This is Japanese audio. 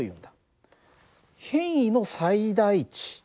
変位の最大値